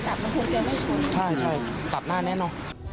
ใช่ตัดหน้านั้นนะ